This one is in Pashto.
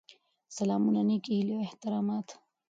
سلامونه نیکې هیلې او احترامات.